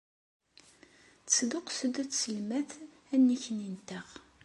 Tesduqqes-d tselmadt annekni-nteɣ.